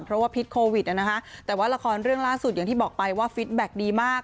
เพราะว่าพิษโควิดนะคะแต่ว่าละครเรื่องล่าสุดอย่างที่บอกไปว่าฟิตแบ็คดีมาก